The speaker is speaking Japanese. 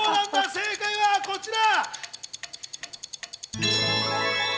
正解はこちら！